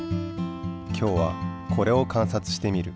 今日はこれを観察してみる。